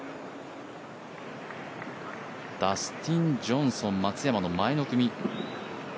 ダスティン・ジョンソン松山の前の組。